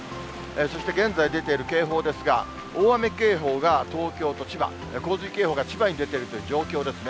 そして現在出ている警報ですが、大雨警報が東京と千葉、洪水警報が千葉に出ているという状況ですね。